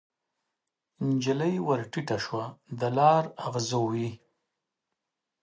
نجلۍ ورټیټه شوه د لار اغزو یې